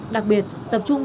đặc biệt tập trung